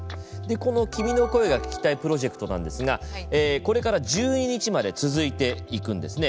この君の声が聴きたいプロジェクトなんですがこれから１２日まで続いていくんですね。